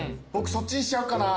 そっちにしちゃおうかな。